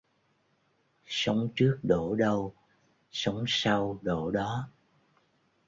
Sóng trước đổ đâu, sóng sau đổ đó.